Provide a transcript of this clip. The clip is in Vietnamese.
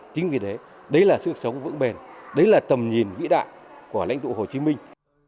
chính vì đấy đấy là sự sống vững bền đấy là tầm nhìn vĩ đại của lãnh thổ hồ chí minh